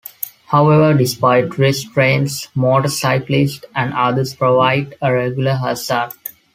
However, despite restraints, motor cyclists and others provide a regular hazard.